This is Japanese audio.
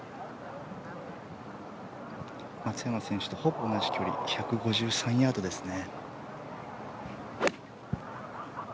松山選手とほぼ同じ距離１５３ヤードですね。